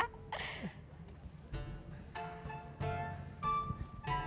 bang patar kagak punya duit